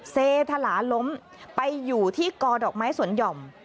เสถลาล้มไปอยู่ที่กอดอกไม้สวนหย่อม